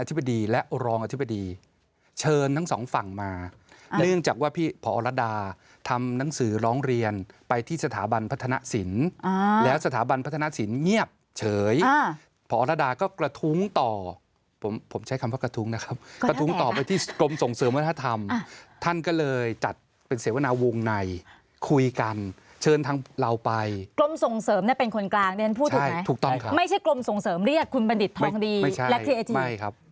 อธิบดีและรองอธิบดีเชิญทั้งสองฝั่งมาเนื่องจากว่าพี่พอรดาทำหนังสือร้องเรียนไปที่สถาบันพัฒนสินแล้วสถาบันพัฒนสินเงียบเฉยพอรดาก็กระทุ้งต่อผมผมใช้คำว่ากระทุ้งนะครับกระทุ้งต่อไปที่กรมส่งเสริมวัฒนธรรมท่านก็เลยจัดเป็นเสวนาวงในคุยกันเชิญทางเราไปกรมส่งเสริมน่ะเป็นคนก